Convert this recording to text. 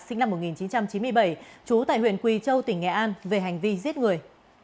sinh năm một nghìn chín trăm chín mươi bảy trú tại huyện quỳ châu tỉnh nghệ an về hành vi giết người